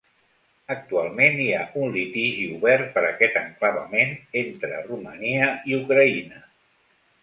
Actualment, hi ha un litigi obert per aquest enclavament entre Romania i Ucraïna.